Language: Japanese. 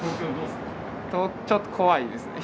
ちょっと怖いですね